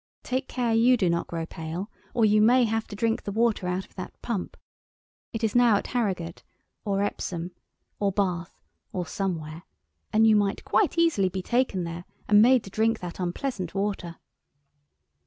Take care you do not grow pale, or you may have to drink the water out of that pump. It is now at Harrogate, or Epsom, or Bath, or somewhere, and you might quite easily be taken there and made to drink that unpleasant water.